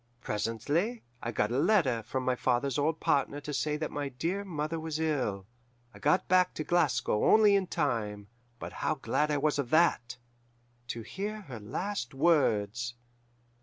"Presently I got a letter from my father's old partner to say that my dear mother was ill. I got back to Glasgow only in time but how glad I was of that! to hear her last words.